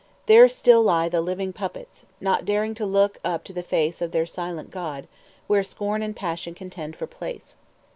There still lie the living puppets, not daring to look up to the face of their silent god, where scorn and passion contend for place.